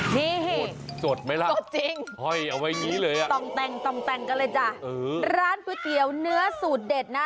ที่กดจริงเอาไว้นี้เลยอ่ะต้องแต่งกันเลยจ้ะร้านก๋วยเตี๋ยวเนื้อสูตรเด็ดนะ